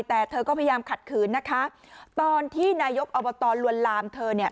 แต่เธอก็พยายามขัดขืนนะคะตอนที่นายกอบตลวนลามเธอเนี่ย